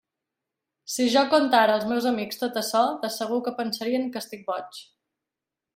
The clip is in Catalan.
Si jo contara als meus amics tot açò, de segur que pensarien que estic boig.